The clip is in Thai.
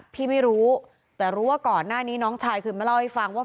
พี่ไม่รู้แต่รู้ว่าก่อนหน้านี้น้องชายเคยมาเล่าให้ฟังว่า